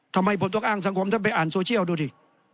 ทำไมผมต้องอ้างสังคมท่านไปอ่านโซเชียลดูดิ